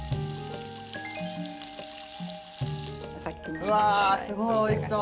うわすごいおいしそう。